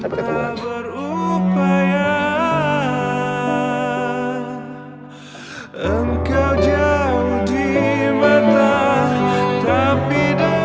sampai ketemu lagi